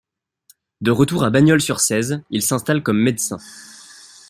De retour à Bagnols-sur-Cèze, il s’installe comme médecin.